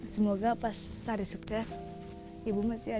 semoga pas tari sukses ibu masih ada